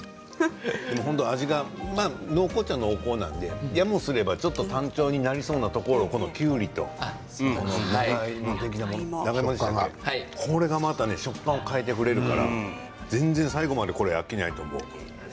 味が濃厚っちゃ濃厚なのでやもすればちょっと単調になりそうなところをこのきゅうりと、この長芋これがまたね食感を変えてくれるから全然最後までこれ飽きないと思う。